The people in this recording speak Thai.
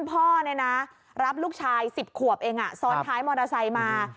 พ่อรับลูกชาย๑๐ขวบเองซ้อนท้ายมอเตอร์ไซค์มา